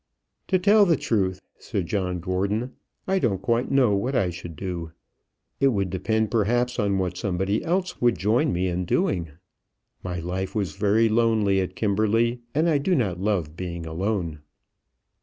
"To tell the truth," said John Gordon, "I don't quite know what I should do. It would depend perhaps on what somebody else would join me in doing. My life was very lonely at Kimberley, and I do not love being alone."